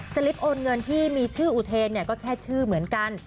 ลิปโอนเงินที่มีชื่ออุเทนก็แค่ชื่อเหมือนกัน